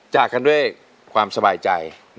จากกันด้วยความสบายใจ